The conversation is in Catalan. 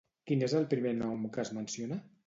Quin és el primer nom que es menciona?